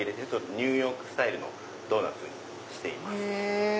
ニューヨークスタイルのドーナツにしています。